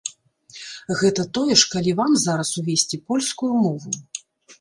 Гэта тое ж, калі вам зараз увесці польскую мову.